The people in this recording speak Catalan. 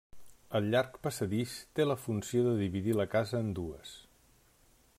El llarg passadís té la funció de dividir la casa en dues.